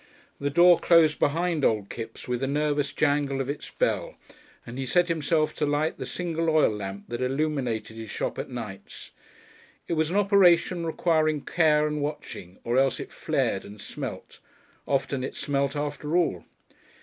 The door closed behind old Kipps with a nervous jangle of its bell, and he set himself to light the single oil lamp that illuminated his shop at nights. It was an operation requiring care and watching, or else it flared and "smelt." Often it smelt after all.